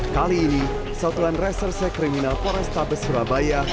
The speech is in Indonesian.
kali ini satuan reserse kriminal polrestabes surabaya